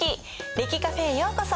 歴Ｃａｆｅへようこそ！